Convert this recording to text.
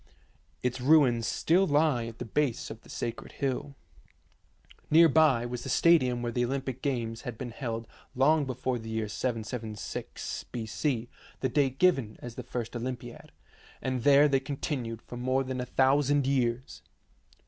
Its ruins still lie at the base of the sacred hill. Near by was the stadium where the Olympic games had been held long be fore the year 776 B.C., the date given as the first Olympiad, and there they continued for more than a thousand years.